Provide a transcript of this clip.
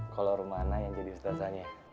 kalau rumah anak yang jadi setasanya